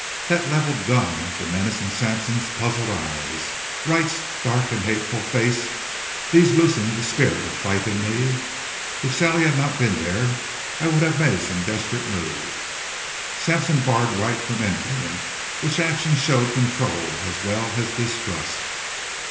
That leveled gun, the menace in Sampson's puzzled eyes, Wright's dark and hateful face, these loosened the spirit of fight in me. If Sally had not been there I would have made some desperate move. Sampson barred Wright from entering, which action showed control as well as distrust.